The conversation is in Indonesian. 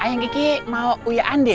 ayang kiki mau uyaan deh